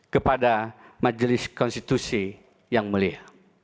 kepada majelis konstitusi yang mulia